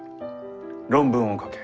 論文を書け。